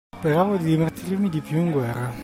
Speravo di divertirmi di più in guerra.